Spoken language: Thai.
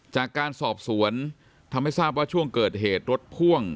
จากการสอบสวนทำให้ทราบว่าช่วงเกิดเหตุรถพ่วง